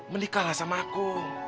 menikahlah sama aku